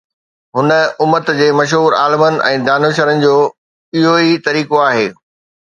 هن امت جي مشهور عالمن ۽ دانشورن جو اهو ئي طريقو آهي.